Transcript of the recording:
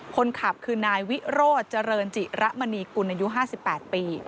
คนขับคือนายวิโรธเจริญจิระมณีกุลอายุ๕๘ปี